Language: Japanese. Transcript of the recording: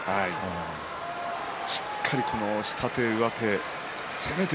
しっかり下手と上手せめて